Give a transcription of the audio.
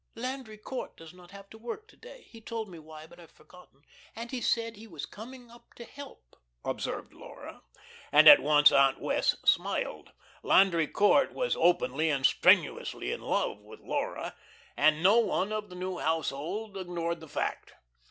"Landry Court does not have to work to day he told me why, but I've forgotten and he said he was coming up to help," observed Laura, and at once Aunt Wess' smiled. Landry Court was openly and strenuously in love with Laura, and no one of the new household ignored the fact.